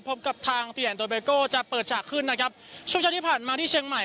พบกับทางฟีแอนโดเบโก้จะเปิดฉากขึ้นนะครับช่วงเช้าที่ผ่านมาที่เชียงใหม่